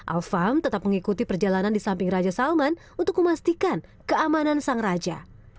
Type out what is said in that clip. alfam tetap mengikuti perjalanan di samping raja salman untuk memastikan keamanan sang raja